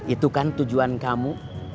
itu kan tujuan kamu